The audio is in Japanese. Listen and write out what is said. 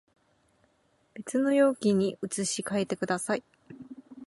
別の容器に移し替えてください